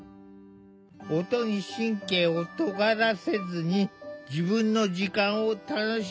音に神経をとがらせずに自分の時間を楽しめるようになった。